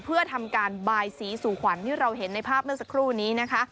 เพื่อทำการบายสีสู่ขวัญที่เราเห็นในภาพเมื่อสักครู่นี้นะคะ